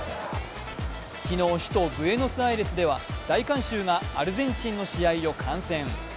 昨日、首都ブエノスアイレスでは大観衆がアルゼンチンの試合を観戦。